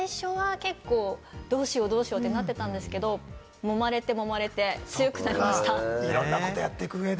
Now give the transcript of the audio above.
最初は結構どうしよう、どうしようってなってたんですけれども、もまれてもまれて強くなりました。